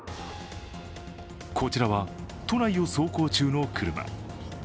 こちらは、都内を走行中の車。